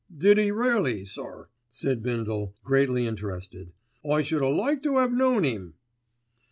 "Did 'e really, sir?" said Bindle, greatly interested. '"I should a' like to 'ave known 'im."